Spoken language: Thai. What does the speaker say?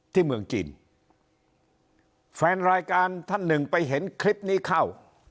เมืองจีนแฟนรายการท่านหนึ่งไปเห็นคลิปนี้เข้า